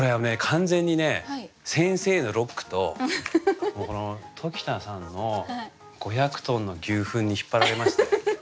完全にね先生のロックと時田さんの「五百トンの牛糞」に引っ張られました。